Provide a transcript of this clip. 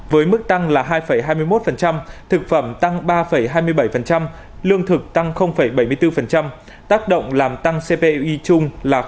với mức tăng là hai hai mươi một thực phẩm tăng ba hai mươi bảy lương thực tăng bảy mươi bốn tác động làm tăng cpi chung là ba